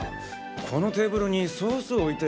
このテーブルにソース置いて。